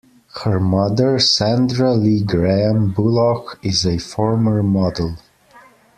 Her mother, Sandra Lee-Graham Bullough, is a former model.